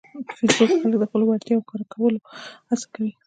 په فېسبوک کې خلک د خپلو وړتیاوو ښکاره کولو هڅه کوي